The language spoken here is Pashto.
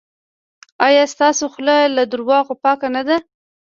ایا ستاسو خوله له درواغو پاکه نه ده؟